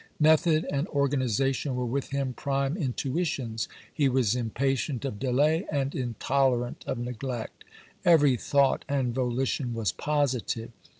Method and organization were with him prime intuitions. He was impatient of delay and intolerant of neglect. Every thought and volition was positive.